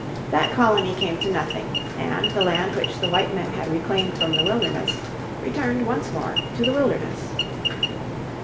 That colony came to nothing, and the land which the white men had reclaimed from the wilderness returned once more to the wilderness.